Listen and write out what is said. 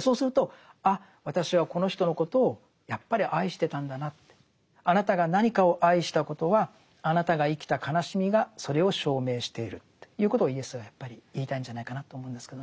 そうするとあっ私はこの人のことをやっぱり愛してたんだなって。あなたが何かを愛したことはあなたが生きた悲しみがそれを証明しているということをイエスはやっぱり言いたいんじゃないかなと思うんですけどね。